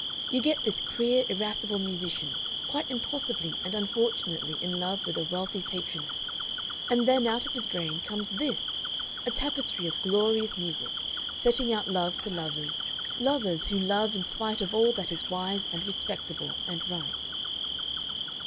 You get this queer irascible musician quite impossibly and unfortunately in love with a wealthy patroness, and then out of his brain comes THIS, a tapestry of glorious music, setting out love to lovers, lovers who love in spite of all that is wise and respectable and right."